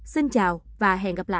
xin chào và hẹn gặp lại